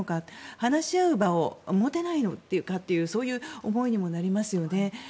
話し合う場を持てないのかというそういう思いにもなりますよね。